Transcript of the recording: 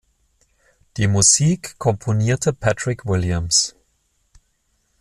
Die Musik komponierte Patrick Williams.